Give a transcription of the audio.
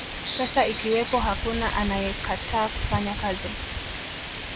pesa ikiwepo hakuna anayekataa kufanya kazi